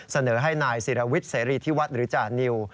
เสนอให้นายศิรวิทย์เสรีที่วัดหรือจานิว